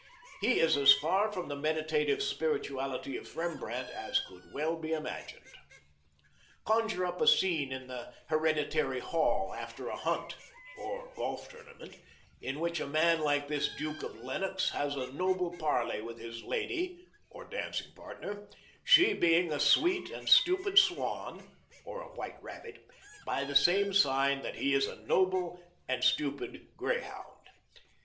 He is as far from the meditative spirituality of Rembrandt as could well be imagined. Conjure up a scene in the hereditary hall after a hunt (or golf tournament), in which a man like this Duke of Lennox has a noble parley with his lady (or dancing partner), she being a sweet and stupid swan (or a white rabbit) by the same sign that he is a noble and stupid greyhound.